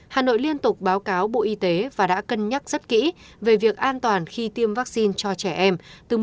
hà nội liên tục báo cáo bộ y tế và đã cân nhắc rất kỹ về việc an toàn khi tiêm vaccine cho trẻ em